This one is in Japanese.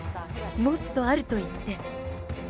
もっとあると言って。